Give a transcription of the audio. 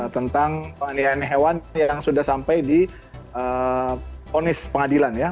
tentang penganiayaan hewan yang sudah sampai di ponis pengadilan ya